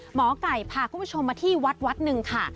หมอไก่พาคุณผู้ชมมาที่วัดวัดหนึ่งค่ะ